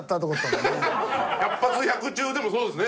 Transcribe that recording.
百発百中でもそうですね。